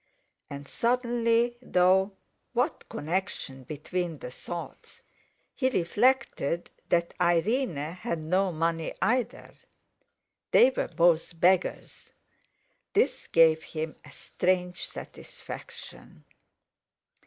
And suddenly—though what connection between the thoughts?—he reflected that Irene had no money either. They were both beggars. This gave him a strange satisfaction.